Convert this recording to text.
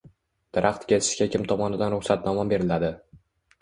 Daraxt kesishga kim tomonidan ruxsatnoma beriladi?